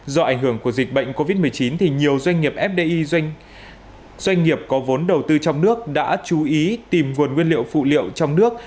do ảnh hưởng của dịch bệnh covid một mươi chín nhiều doanh nghiệp fdi doanh nghiệp có vốn đầu tư trong nước đã chú ý tìm nguồn nguyên liệu phụ liệu trong nước